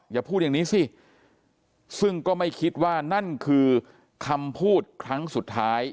อย่าพูดอย่างนี้สิซึ่งก็ไม่คิดว่านั่นคือคำพูดครั้งสุดท้าย